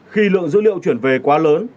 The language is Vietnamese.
khi lượng dữ liệu chuyển về quá lớn